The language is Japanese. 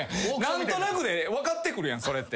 何となくで分かってくるやんそれって。